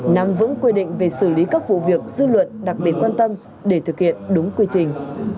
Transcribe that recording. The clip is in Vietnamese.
nằm vững quy định về xử lý các vụ việc dư luận đặc biệt quan tâm để thực hiện đúng quy trình